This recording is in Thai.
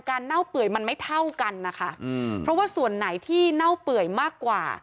เน่าเปื่อยมันไม่เท่ากันนะคะอืมเพราะว่าส่วนไหนที่เน่าเปื่อยมากกว่า